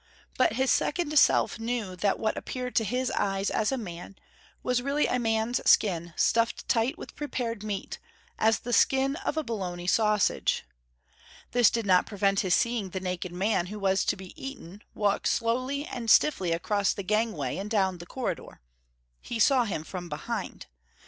But his second self knew that what appeared to his eyes as a man was really a man's skin stuffed tight with prepared meat, as the skin of a Bologna sausage. This did not prevent his seeing the naked man who was to be eaten walk slowly and stiffly across the gangway and down the corridor. He saw him from behind.